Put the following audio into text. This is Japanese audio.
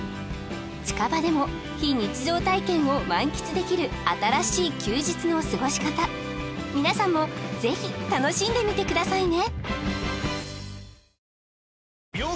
近場でも非日常体験を満喫できる新しい休日の過ごし方皆さんもぜひ楽しんでみてくださいね！